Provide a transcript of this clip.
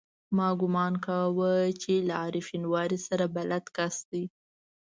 ما ګومان کاوه چې له عارف شینواري سره بلد کس دی.